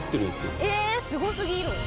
えーっすごすぎる！